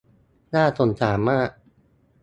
น่าสงสารมาก